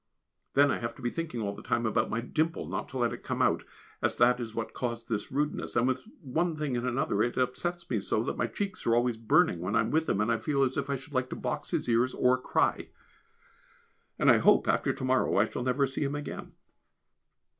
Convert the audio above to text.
Then I have to be thinking all the time about my dimple not to let it come out, as that is what caused his rudeness, and with one thing and another it upsets me so, that my cheeks are always burning when I am with him, and I feel as if I should like to box his ears or cry; and I hope after to morrow I shall never see him again.